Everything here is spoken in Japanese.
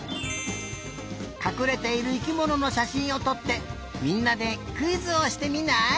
かくれている生きもののしゃしんをとってみんなでクイズをしてみない？